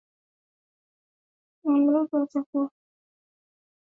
mamlaka ya chakula na dawa tfda